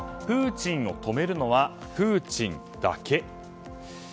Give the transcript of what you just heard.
プーチンを止めるのはプーチンだけ？